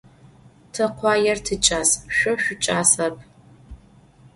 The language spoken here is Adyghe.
Te khuaêr tiç'as, şso şsuiç'asep.